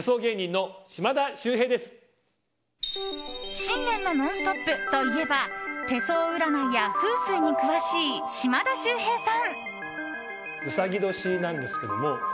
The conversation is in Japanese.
新年の「ノンストップ！」といえば手相占いや風水に詳しい島田秀平さん。